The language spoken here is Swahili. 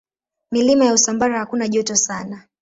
Milima ya Usambara hakuna joto sana.